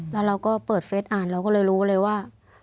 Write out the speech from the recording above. แล้วเราก็เปิดเฟสอ่านเราก็เลยรู้เลยว่า